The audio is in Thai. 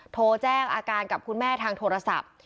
โทรแจ้งอาการกับคุณแม่ทางโทรศัพท์